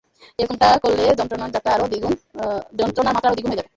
এরকমটা করলে যন্ত্রণার মাত্রা আরো দ্বিগুণ হয়ে যাবে!